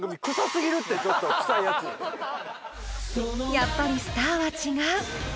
［やっぱりスターは違う］